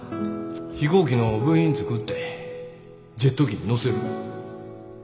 飛行機の部品作ってジェット機に載せる。